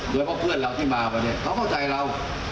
แล้วก็เพื่อนเราที่มาวันนี้เขาเข้าใจเรา